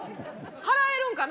払えるんか？